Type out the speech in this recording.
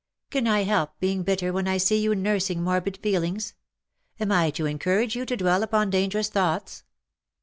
" Can I help being bitter wdien I see you nursing morbid feelings ? Am I to encourage you to dwell upon dangerous thoughts